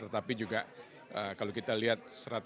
tetapi juga kalau kita lihat